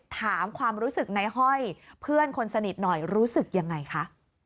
ถามความรู้สึกในห้อยเพื่อนคนสนิทหน่อยรู้สึกยังไงคะ